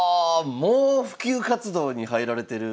もう普及活動に入られてる。